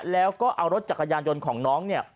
แล้วก็เอารถจักรยานยนต์ของน้องเนี่ย